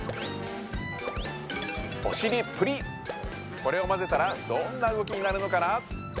これをまぜたらどんな動きになるのかな？